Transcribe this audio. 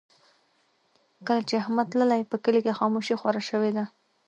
کله چې احمد تللی، په کلي کې خاموشي خوره شوې ده.